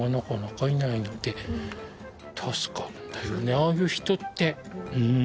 ああいう人って。